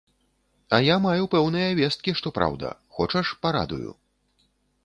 А я маю пэўныя весткі, што праўда, хочаш, парадую?